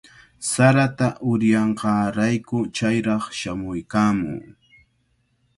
Sarata uryanqaarayku chayraq shamuykaamuu.